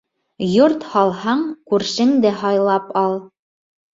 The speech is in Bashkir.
Йорт һалһаң, күршеңде һайлап ал.